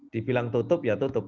dibilang tutup ya tutup